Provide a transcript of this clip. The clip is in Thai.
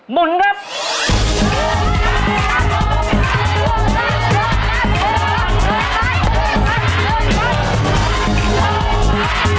หนุนครับ